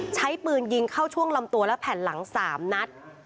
ใช้ปืนยิงเข้าช่วงลำตัวและแผ่นหลัง๓นัด